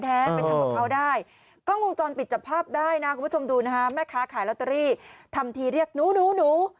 เหรอวะเขาได้ก่อนจอลปิดจับภาพได้นาวหูชมดูนะครับแม่ขาขายลอตเตอรี่ทำทีเลี่ยงหนูหนู